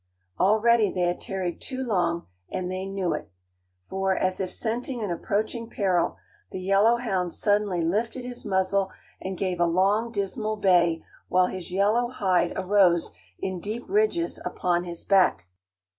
Already they had tarried too long, and they knew it. For, as if scenting an approaching peril, the yellow hound suddenly lifted his muzzle and gave a long, dismal bay while his yellow hide arose in deep ridges upon his back.